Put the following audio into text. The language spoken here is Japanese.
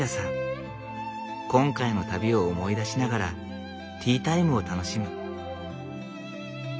今回の旅を思い出しながらティータイムを楽しむ。